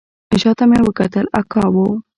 شا ته مې وکتل اکا و.